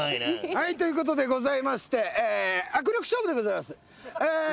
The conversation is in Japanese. はいということでございまして握力勝負でございます。